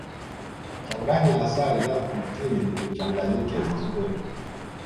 changanya asali na mtindi uchanganyike vizuri